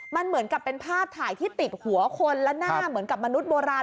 มันเหมือนกับเป็นภาพถ่ายที่ติดหัวคนและหน้าเหมือนกับมนุษย์โบราณ